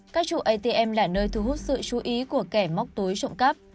các trụ atm là nơi thu hút sự chú ý của kẻ móc túi trộm cắp